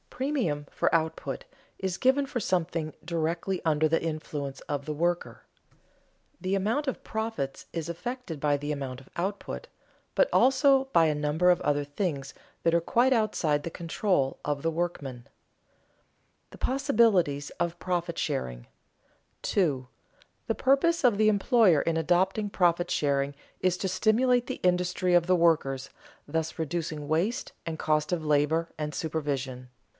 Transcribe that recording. Premium for output is given for something directly under the influence of the worker. The amount of profits is affected by the amount of output, but also by a number of other things that are quite outside the control of the workmen. [Sidenote: The possibilities of profit sharing] 2. _The purpose of the employer in adopting profit sharing is to stimulate the industry of the workers, thus reducing waste and cost of labor and supervision.